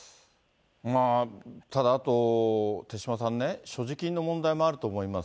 ただ、あと、手嶋さんね、所持金の問題もあると思います。